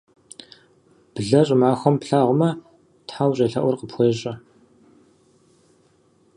Блэ щӏымахуэм плъагъумэ, тхьэ ущӏелъэӏур къыпхуещӏэ.